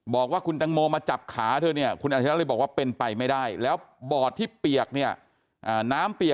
บอกว่าคุณตังโมมาจับขาที่นี่